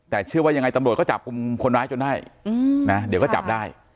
แต่เชื่อว่ายังไงตำรวจก็จับกลุ่มคนร้ายจนได้นะเดี๋ยวก็จับได้